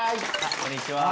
こんにちは。